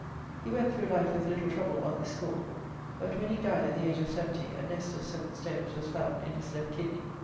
He went through life with little trouble on this score, but when he died at the age of seventy a nest of seven stones was found in his left kidney.